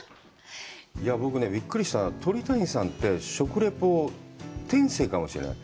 僕ね、びっくりしたのは、鳥谷さんって、食レポ、天性かもしれない。